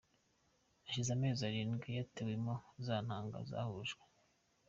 Hashize amezi arindwi, yatewemo za ntanga zahujwe.